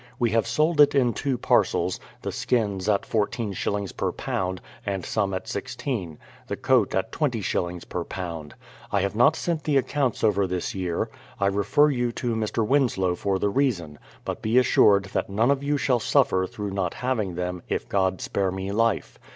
We have sold it in two parcels; the skins at fourteen shillings per lb., and some at sixteen; the coat at twenty shillings per lb. I have not sent tlie accounts over this year; I refer you to Mr. Winslow for the reason; but be assured that none of you shall suffer through not having them, if God spare me life.